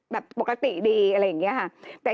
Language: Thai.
แบบปกติดีอะไรอย่างนี้ค่ะ